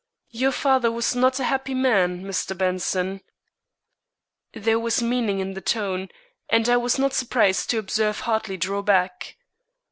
Your father was not a happy man, Mr. Benson." There was meaning in the tone, and I was not surprised to observe Hartley draw back.